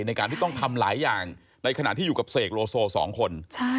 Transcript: ในการที่ต้องทำหลายอย่างในขณะที่อยู่กับเสกโลโซ๒คน